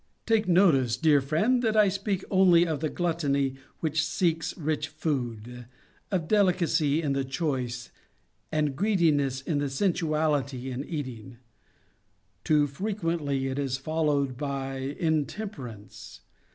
* Take notice, dear friend, that I speak only of the gluttony which seeks rich food, of delicacy in the choice, and greediness and sensuality in eating. Too frequently it is followed by intemperance.